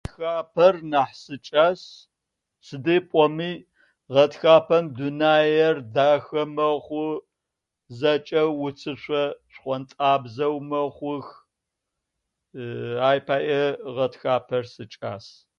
...тхапэр нахь сикӏас. Сыди пӏоми гъэтхапэм дунаер дахэ мэхъу, зэкӏэ уцышъо шхъуонтӏабзэ мэхъух ай паӏэ гъэтхапэр сикӏас.